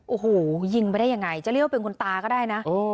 โอ้โหยิงไปได้ยังไงจะเรียกว่าเป็นคุณตาก็ได้นะ